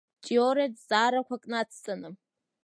Теориатә зҵаарақәак нацҵаны.